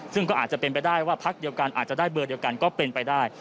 ซึ่งก็อาจจะเป็นไปได้ว่าพักเดียวกันอาจจะได้เบอร์เดียวกันก็เป็นไปได้